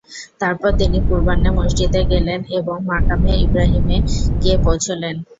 তারপর তিনি পূর্বাহ্নে মসজিদে গেলেন এবং মাকামে ইবরাহীমে গিয়ে পৌঁছলেন।